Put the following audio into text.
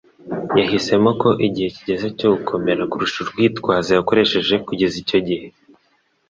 Yahisemo ko igihe kigeze cyo gukomera kurusha urwitwazo yakoresheje kugeza icyo gihe.